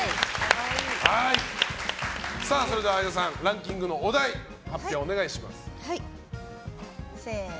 それでは相田さんランキングのお題発表お願いします。